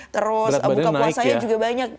terus buka puasanya juga banyak